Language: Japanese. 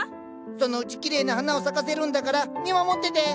そのうちきれいな花を咲かせるんだから見守ってて！